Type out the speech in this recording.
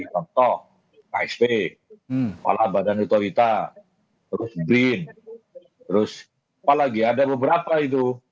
contoh ksp kepala badan otorita terus brin terus apalagi ada beberapa itu